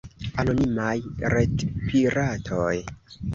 anonimaj retpiratoj